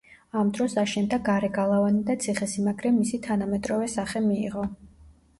ამ დროს აშენდა გარე გალავანი და ციხესიმაგრემ მისი თანამედროვე სახე მიიღო.